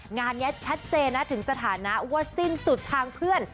งานนี้ชัดเจนนะถึงสถานะว่าสิ้นสุดทางเพื่อน